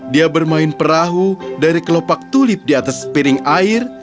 dia bermain perahu dari kelopak tulip di atas piring air